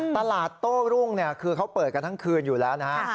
ตลาดโต้รุ่งคือเขาเปิดกันทั้งคืนอยู่แล้วนะฮะ